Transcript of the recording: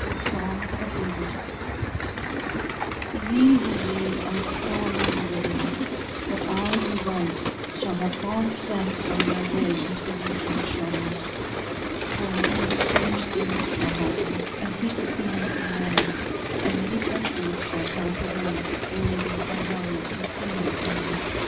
_ —Psalm of David. Ye who read are still among the living; but I who write shall have long since gone my way into the region of shadows. For indeed strange things shall happen, and secret things be known, and many centuries shall pass away, ere these memorials be seen of men.